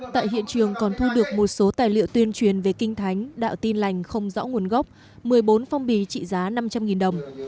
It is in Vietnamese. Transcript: tại hiện trường còn thu được một số tài liệu tuyên truyền về kinh thánh đạo tin lành không rõ nguồn gốc một mươi bốn phong bì trị giá năm trăm linh đồng